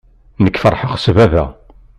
Nekk feṛḥeɣ s baba.